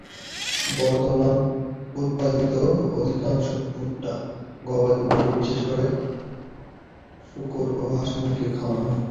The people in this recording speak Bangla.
বর্তমানে উৎপাদিত অধিকাংশ ভুট্টা গবাদি পশু, বিশেষ করে শূকর ও হাঁস-মুরগিকে খাওয়ানো হয়।